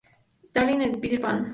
Darling en "Peter Pan".